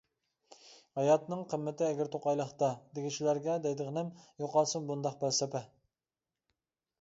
‹ ‹ھاياتنىڭ قىممىتى ئەگرى-توقايلىقتا› › دېگۈچىلەرگە دەيدىغىنىم: يوقالسۇن بۇنداق پەلسەپە!